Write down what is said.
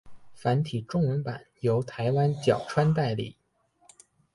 繁体中文版由台湾角川代理。